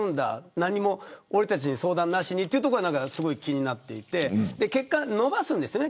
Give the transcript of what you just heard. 何も俺たちに相談なしにっていうところが気になっていて結果、期間を延ばすんですよね。